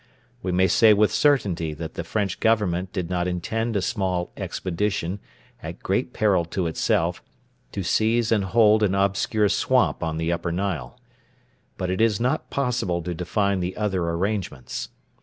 We may say with certainty that the French Government did not intend a small expedition, at great peril to itself, to seize and hold an obscure swamp on the Upper Nile. But it is not possible to define the other arrangements.